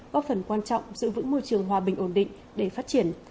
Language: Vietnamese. góp phần quan trọng giữ vững môi trường hòa bình ổn định để phát triển